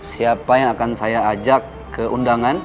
siapa yang akan saya ajak ke undangan